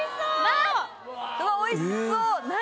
うわおいしそう何？